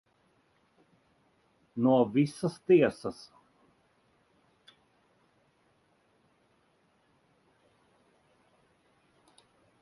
No visas tiesas.